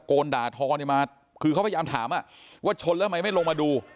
นด่าทอเนี่ยมาคือเขาพยายามถามว่าชนแล้วทำไมไม่ลงมาดู